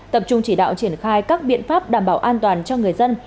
tập trung chỉ đạo triển khai các biện pháp đảm bảo an toàn cho người dân